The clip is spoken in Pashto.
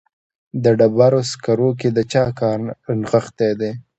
په ډبرو سکرو کې د چا کار نغښتی دی